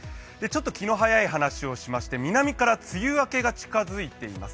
気の早い話をしまして南から梅雨明けが近付いています。